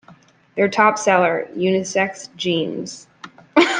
Their top seller: unisex jeans.